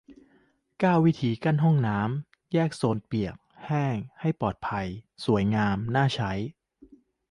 เก้า วิธีกั้นห้องน้ำแยกโซนเปียกแห้ง ให้ปลอดภัย สวยงาม น่าใช้งาน